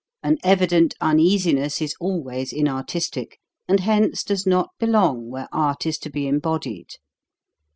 An evident uneasiness is always inartistic, and hence does not belong where art is to be embodied.